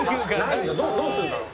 どうするんだろう。